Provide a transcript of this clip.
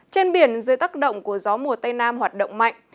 trên biển dưới tác động của gió mùa tây nam hoạt động mạnh